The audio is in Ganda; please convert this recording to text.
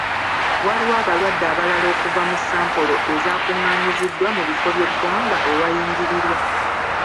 Waliwo abalwadde abalala okuva mu sampolo ezaakungaanyiziddwa ku bifo by'eggwanga ewayingirirwa.